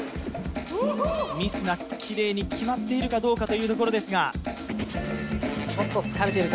ミスなくきれいに決まっているかどうかというところですが。